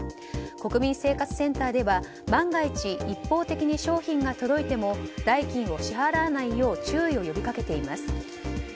国民生活センターでは万が一、一方的に商品が届いても代金を支払わないよう注意を呼び掛けています。